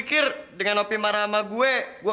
kurang aja lo dua rokaat dua rokaat